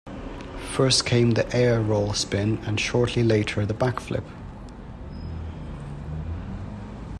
First came the Air Roll Spin and shortly later the Blackflip.